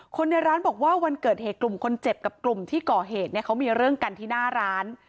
คนในร้านบอกว่าวันเกิดเหตุกลุ่มคนเจ็บกับกลุ่มที่ก่อเหตุเนี่ยเขามีเรื่องกันที่หน้าร้าน